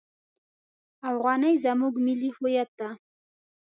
افغانۍ زموږ ملي هویت ده!